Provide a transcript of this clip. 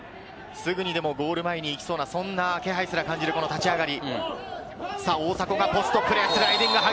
すぐにでもゴール前に行きそうな、そんな気配すら感じる、この立ち上がり。